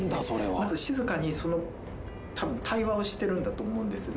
まず静かにその多分対話をしてるんだと思うんですね